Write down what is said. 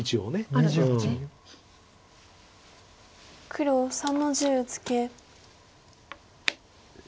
黒３の十ツケ。